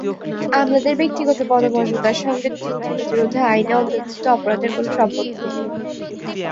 আমলাদের ব্যক্তিগত পদমর্যাদার সঙ্গে দুর্নীতি প্রতিরোধ আইনে অন্তর্ভুক্ত অপরাধের কোনো সম্পর্ক নেই।